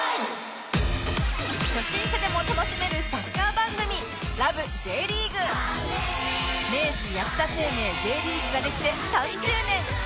初心者でも楽しめるサッカー番組明治安田生命 Ｊ リーグができて３０年！